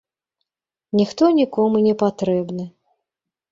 Ніхто нікому не патрэбны.